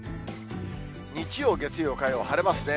日曜、月曜、火曜、晴れますね。